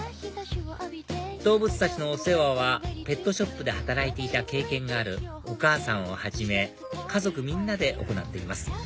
動物たちのお世話はペットショップで働いていた経験があるお母さんをはじめ家族みんなで行っています